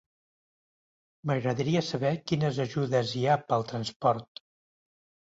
M'agradaria saber quines ajudes hi ha pel transport.